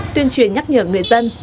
tuyên truyền nhắc nhở người dân